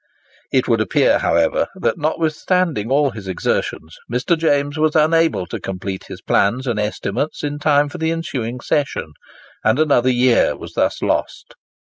It would appear however, that, notwithstanding all his exertions, Mr. James was unable to complete his plans and estimates in time for the ensuing Session; and another year was thus lost.